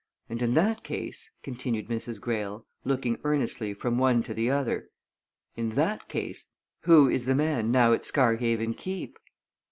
And in that case," continued Mrs. Greyle, looking earnestly from one to the other, "in that case who is the man now at Scarhaven Keep?"